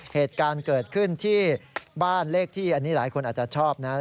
เหตุการณ์เกิดขึ้นที่บ้านเลขที่อันนี้หลายคนอาจจะชอบนะ